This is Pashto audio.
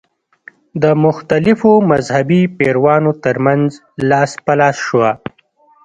د مختلفو مذهبي پیروانو تر منځ لاس په لاس شوه.